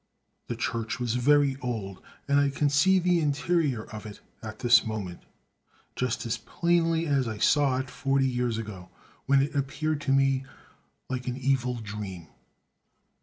The church was very old; and I can see the interior of it at this moment just as plainly as I saw it forty years ago, when it appeared to me like an evil dream.